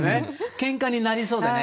けんかになりそうですね